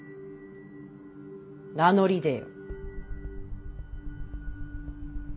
名乗り出よ。